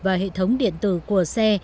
vào hệ thống điện tử của xe